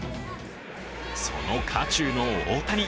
その渦中の大谷。